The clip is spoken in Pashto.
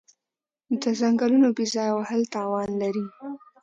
د ځنګلونو بې ځایه وهل تاوان لري.